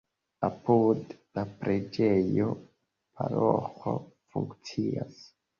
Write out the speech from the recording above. Apud la preĝejo paroĥo funkcias.